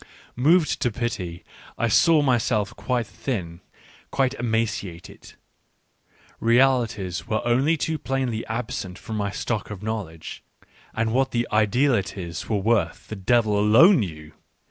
. Moved to pity I saw myself quite thin, quite emaciated: realities were only too plainly absent from my stock of knowledge, and what the " idealities " were worth the devil alone knew